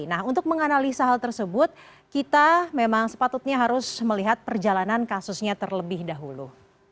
nah untuk menganalisa hal tersebut kita memang sepatutnya harus melihat perjalanan kasusnya terlebih dahulu